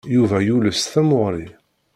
Yuba yules tamuɣli.